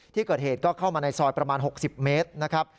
ที่เกิดเหตุก็เข้ามาในซอยประมาณ๖๐เมตรนะครับ